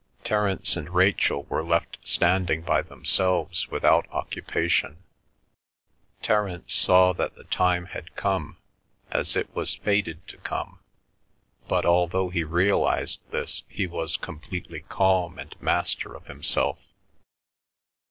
Terence and Rachel were left standing by themselves without occupation. Terence saw that the time had come as it was fated to come, but although he realised this he was completely calm and master of himself.